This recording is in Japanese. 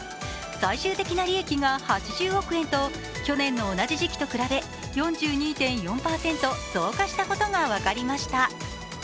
最終的な利益が８０億円と去年の同じ時期と比べ４２．４％増加したことが分かりました。